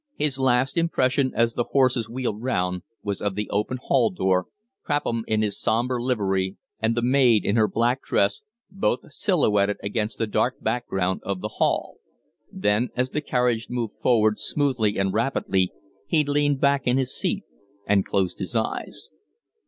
His last impression, as the horses wheeled round, was of the open hall door Crapham in his sombre livery and the maid in her black dress, both silhouetted against the dark background of the hall; then, as the carriage moved forward smoothly and rapidly, he leaned back in his seat and closed his eyes.